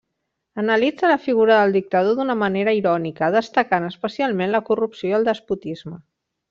Analitza la figura del dictador d'una manera irònica, destacant especialment la corrupció i el despotisme.